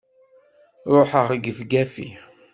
Ruḥeɣ gefgafi!